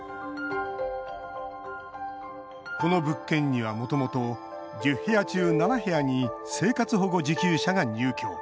この物件には、もともと１０部屋中７部屋に生活保護受給者が入居。